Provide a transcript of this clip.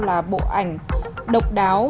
là bộ ảnh độc đáo